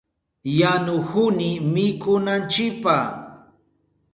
Yanuhuni mikunanchipa.